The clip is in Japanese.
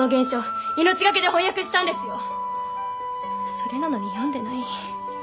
それなのに読んでない？